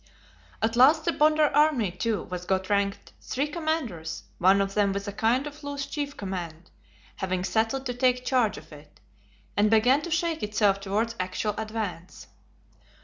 At last the Bonder army too was got ranked; three commanders, one of them with a kind of loose chief command, having settled to take charge of it; and began to shake itself towards actual advance.